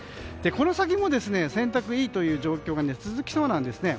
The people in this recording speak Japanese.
この先も、洗濯がいいという状況が続きそうなんですね。